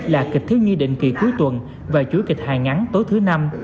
là kịch thiếu nghi định kỳ cuối tuần và chuỗi kịch hài ngắn tối thứ năm